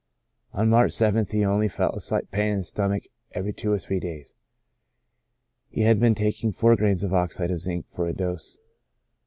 On March 7th he only felt a slight pain in the stomach every two or three days ; he had been taking four grains of oxide of zinc for a dose.